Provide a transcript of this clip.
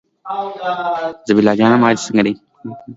دې اسناد راپورته کړل او د عینکو له شا څخه یې ورته وکتل.